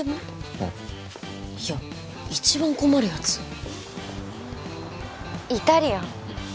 うんいや一番困るやつイタリアン？